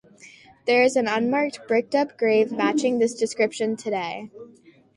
There is an unmarked bricked up grave matching this description today.